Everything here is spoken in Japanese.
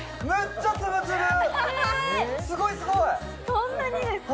そんなにですか？